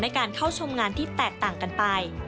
การเข้าชมงานที่แตกต่างกันไป